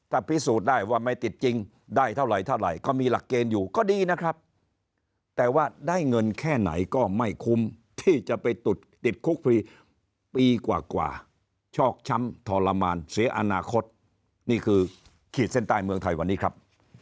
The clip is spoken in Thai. ถ้าพิสูจน์ได้ว่าไม่ติดจริงได้เท่าไหรเท่าไหร่ก็มีหลักเกณฑ์อยู่ก็ดีนะครับแต่ว่าได้เงินแค่ไหนก็ไม่คุ้มที่จะไปติดคุกฟรีปีกว่าชอกช้ำทรมานเสียอนาคตนี่คือขีดเส้นใต้เมืองไทยวันนี้ครับ